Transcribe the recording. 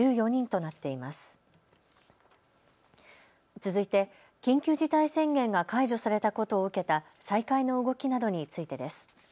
続いて緊急事態宣言が解除されたことを受けた再開の動きなどについてです。